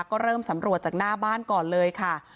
ก็เริ่มสำรวจจากหน้าบ้านก่อนเลยค่ะ